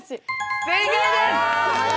正解です！